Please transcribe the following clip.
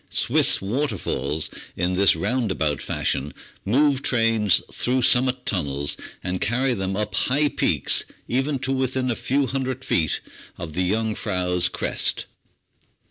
Swiss waterfalls, in this roundabout fashion, move trains through sum mit tunnels, and carry them up high peaks even to within a few hundred feet of the Jungfrau's crest.